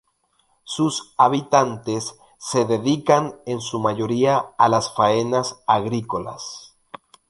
Sus habitantes se dedican en su mayoría a las faenas agrícolas.